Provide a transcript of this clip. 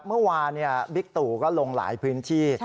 เมื่อวานบิ๊กตู่ก็ลงหลายพื้นที่